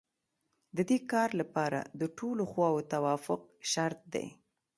د دې کار لپاره د ټولو خواوو توافق شرط دی.